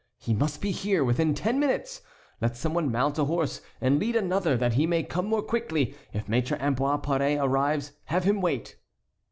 He must be here within ten minutes. Let some one mount a horse and lead another that he may come more quickly. If Maître Ambroise Paré arrives have him wait."